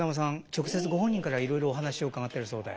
直接ご本人からいろいろお話を伺ってるそうで？